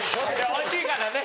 おいしいからね。